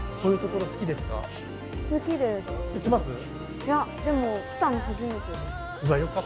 いやでも来たの初めてです。